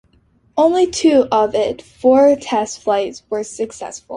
Only two of its four test flights were successful.